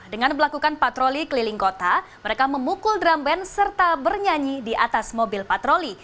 dengan melakukan patroli keliling kota mereka memukul drum band serta bernyanyi di atas mobil patroli